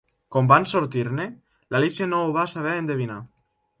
Com van sortir-ne, l'Alícia no ho va saber endevinar.